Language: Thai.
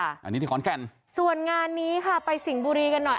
อันนี้ที่ขอนแก่นส่วนงานนี้ค่ะไปสิ่งบุรีกันหน่อย